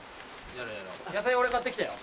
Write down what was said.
野菜俺買ってきたよ。